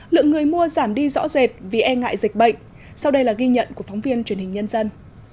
lượng người mua giảm đi rõ rệt vì e ngại dịch bệnh sau đây là ghi nhận của phóng viên truyền hình nhân dân